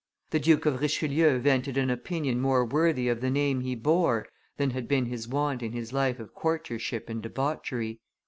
The Duke of Richelieu vented an opinion more worthy of the name he bore than had been his wont in his life of courtiership and debauchery.